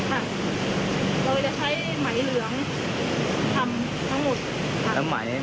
แต่ว่าสมิตรเรายังไม่พอค่ะ